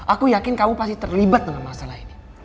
aku yakin kamu pasti terlibat dalam masalah ini